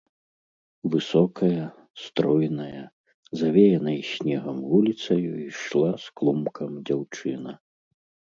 Высокая, стройная, завеянай снегам вуліцаю ішла з клумкам дзяўчына.